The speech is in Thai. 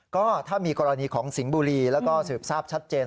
ก็ถ้ามีกรณีของสิงห์บุรีแล้วก็สืบทราบชัดเจน